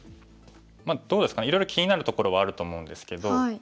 どうですかねいろいろ気になるところはあると思うんですけど。